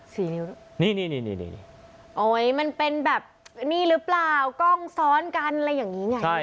สีนิ้วนี่มันเป็นแบบนี่รึเปล่ากล้องซ้อนกันอะไรอย่างนี้ไง